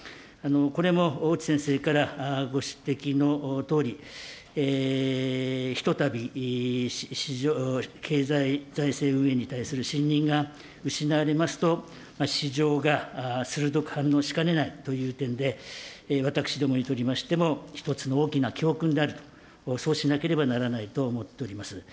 これも越智先生からご指摘のとおり、ひとたび市場経済財政運営に関する信任が失われますと、市場が鋭く反応しかねないという点で、私どもにとりましても、一つの大きな教訓であると、そうしなければならないと思っております。